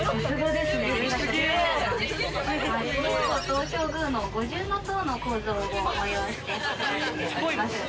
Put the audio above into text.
日光東照宮の五重塔の構造を応用して作られております。